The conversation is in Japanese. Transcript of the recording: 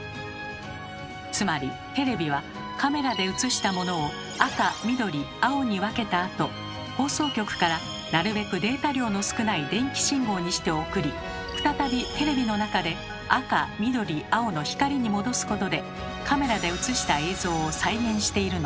つまりテレビはカメラで写したものを赤緑青に分けたあと放送局からなるべくデータ量の少ない電気信号にして送り再びテレビの中で赤緑青の光に戻すことでカメラで写した映像を再現しているのです。